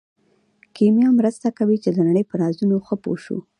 کیمیا مرسته کوي چې د نړۍ په رازونو ښه پوه شو.